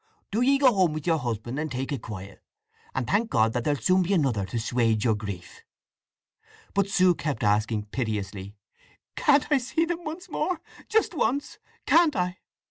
Do ye go home with your husband, and take it quiet, and thank God that there'll be another soon to swage yer grief." But Sue kept asking piteously: "Can't I see them once more—just once! Can't I?